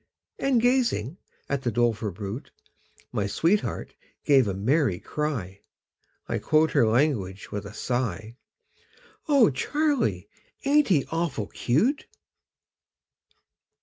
And gazing at the doleful brute My sweetheart gave a merry cry I quote her language with a sigh "O Charlie, ain't he awful cute?"